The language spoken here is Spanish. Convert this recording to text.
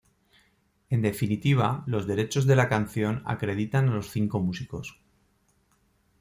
En definitiva los derechos de la canción acreditan a los cinco músicos.